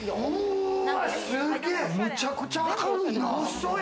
めちゃくちゃ明るいな！